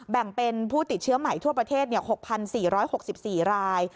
แบ่งเป็นผู้ติดเชื้อใหม่ทั่วประเทศ๖๔๖๔ราย